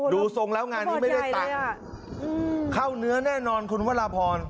ทรงแล้วงานนี้ไม่ได้ตังค์เข้าเนื้อแน่นอนคุณวราพร